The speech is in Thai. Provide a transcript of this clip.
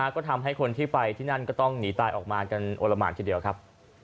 ก็ทำให้คนที่ไปที่นั่นก็ต้องหนีตายออกมากันโอละหมานทีเดียวครับ